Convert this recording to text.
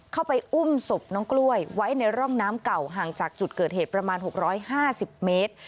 เข้าไปอุ้มศพน้องกล้วยไว้ในร่องน้ำเก่าห่างจากจุดเกิดเหตุประมาณ๖๕๐เมตร